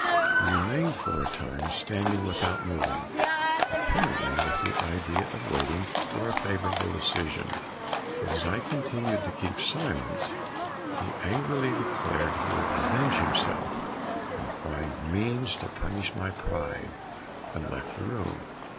He remained for a time standing without moving, apparently with the idea of waiting for a favorable decision, but as I continued to keep silence, he angrily declared he would revenge himself and find means to punish my pride, and left the room.